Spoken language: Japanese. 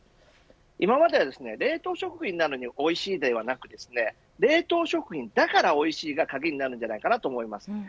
今までは冷凍食品なのにおいしいではなく冷凍食品だからおいしいが鍵になるんではないかと思います。